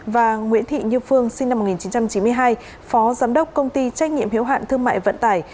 và nguyễn thị như phương sinh năm một nghìn chín trăm chín mươi hai phó giám đốc công ty trách nhiệm hiếu hạn thương mại vận tải